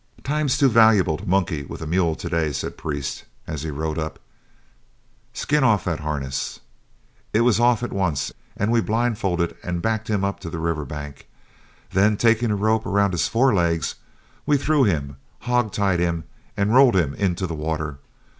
"Time's too valuable to monkey with a mule to day," said Priest, as he rode up; "skin off that harness." It was off at once, and we blindfolded and backed him up to the river bank; then taking a rope around his forelegs, we threw him, hog tied him, and rolled him into the water.